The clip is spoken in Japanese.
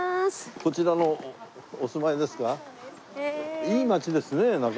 こちらのお住まいですか？